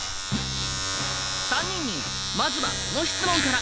３人にまずはこの質問から。